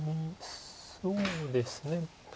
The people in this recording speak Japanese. そうですね。